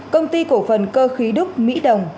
công ty cổ phần cơ khí đúc mỹ đồng